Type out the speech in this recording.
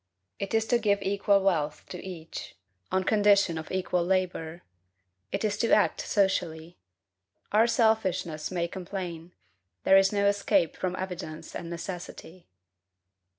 It is to give equal wealth to each, on condition of equal labor. It is to act socially. Our selfishness may complain; there is no escape from evidence and necessity.